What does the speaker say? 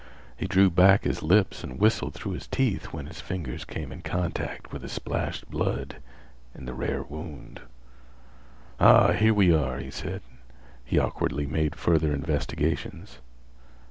He drew back his lips and whistled through his teeth when his fingers came in contact with the splashed blood and the rare wound. "Ah, here we are!" he said. He awkwardly made further investigations.